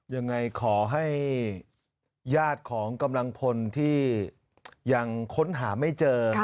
ยังไงขอให้ญาติของกำลังพลที่ยังค้นหาไม่เจอ